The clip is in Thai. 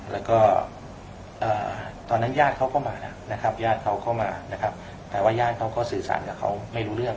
แล้วก็ตอนนั้นญาติเขาก็มาแล้วนะครับญาติเขาก็มานะครับแต่ว่าญาติเขาก็สื่อสารกับเขาไม่รู้เรื่อง